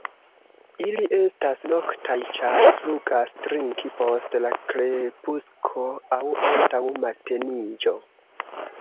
Ili estas noktaj, ĉar flugas trinki post la krepusko aŭ antaŭ mateniĝo.